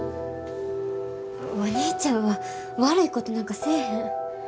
お兄ちゃんは悪いことなんかせえへん。